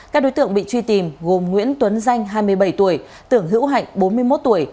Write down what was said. các đối tượng bị truy tìm gồm nguyễn tuấn danh hai mươi bảy tuổi tưởng hữu hạnh bốn mươi một tuổi